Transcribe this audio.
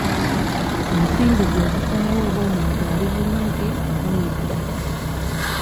Ensimbi z'ezisalawo oba omuntu ali bulungi oba nedda.